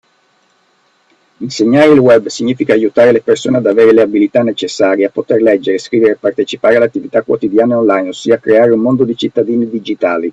Insegnare il web significa aiutare le persone ad avere le abilità necessarie a poter leggere, scrivere e partecipare alle attività quotidiane online, ossia, creare un mondo di cittadini digitali.